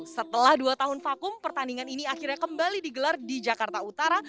setelah dua tahun vakum pertandingan ini akhirnya kembali digelar di jakarta utara